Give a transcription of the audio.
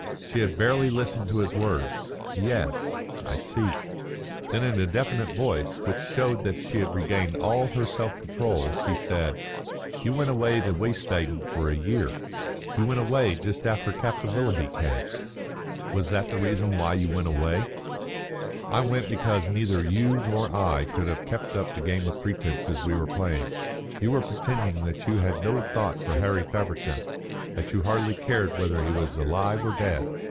She had barely listened to his words. "Yes, I see." Then in a definite voice, which showed that she had regained all her self control, she said: "You went away to Wiesbaden for a year. You went away just after Captain Willoughby came. Was that the reason why you went away?" "I went because neither you nor I could have kept up the game of pretences we were playing. You were pretending that you had no thought for Harry Feversham, that you hardly cared whether he was alive or dead.